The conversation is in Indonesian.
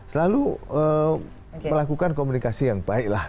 selalu melakukan komunikasi yang baik lah